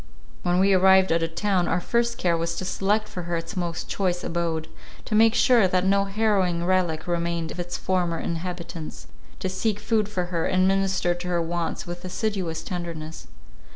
When we arrived at a town, our first care was to select for her its most choice abode; to make sure that no harrowing relic remained of its former inhabitants; to seek food for her, and minister to her wants with assiduous tenderness.